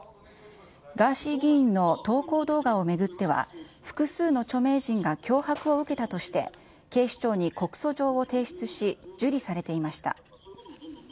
ガーシー議員の投稿動画を巡っては、複数の著名人が脅迫を受けたとして、警視庁に告訴状を提出し、受理されていました。